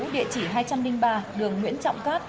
địa chỉ hai trăm linh ba đường nguyễn trọng cát